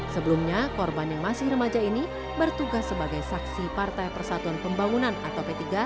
sebelumnya korban yang masih remaja ini bertugas sebagai saksi partai persatuan pembangunan atau p tiga